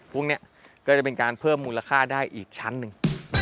พวกนี้ก็จะเป็นการเพิ่มมูลค่าได้อีกชั้นหนึ่ง